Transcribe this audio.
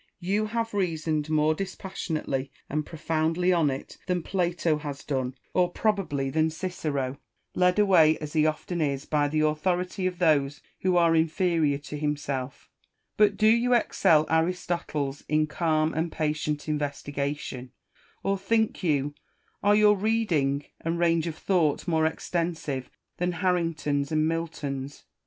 You have reasoned more dispas sionately and profoundly on it then Plato has done, or probably than Cicero, led away as he often is by the authority of those who are inferior to himself : but do you excel Aristoteles in calm and patient investigation 1 Or, think you, are your reading and range of thought more extensive than Harrington's and Milton's?